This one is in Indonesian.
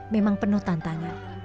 memang penuh tantanya